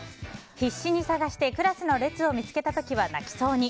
必死に探してクラスの列を見つけた時は泣きそうに。